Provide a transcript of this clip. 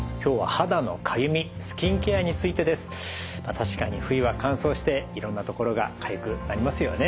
確かに冬は乾燥していろんなところがかゆくなりますよね。